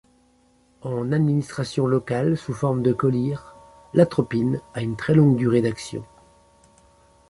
En administration locale sous forme de collyre, l'atropine a une très longue durée d'action.